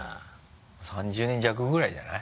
３０年弱ぐらいじゃない？